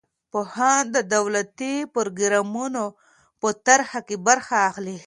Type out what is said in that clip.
پوهان د دولتي پروګرامونو په طرحه کې برخه اخلي.